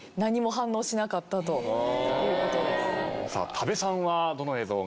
多部さんはどの映像が？